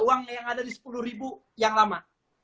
uang yang ada di sepuluh ribu yang lama